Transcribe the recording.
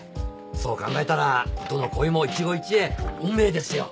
そう考えたらどの恋も一期一会運命ですよ。